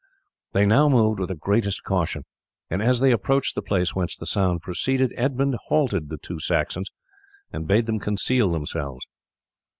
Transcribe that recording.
They now moved with the greatest caution, and as they approached the place whence the sound proceeded Edmund halted the two Saxons and bade them conceal themselves.